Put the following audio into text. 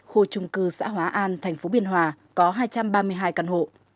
khu chung cư xã hóa an thành phố biên hòa có hai trăm ba mươi hai căn hộ